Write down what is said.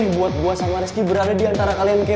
aneh buat gue sama rizky berada di antara kalian kayak begini